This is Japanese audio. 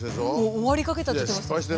「終わりかけた」って言ってました。